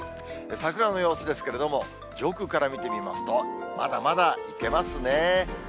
桜の様子ですけれども、上空から見てみますと、まだまだ行けますね。